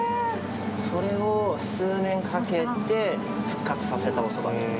それを数年かけて復活させたおそばで。